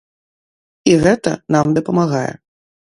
І гэта нам дапамагае.